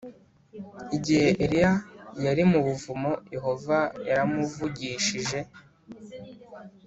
Igihe Eliya yari mu buvumo Yehova yaramuvugishije